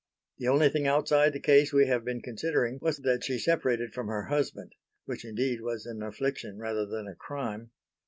The only thing outside the case we have been considering, was that she separated from her husband; which indeed was an affliction rather than a crime.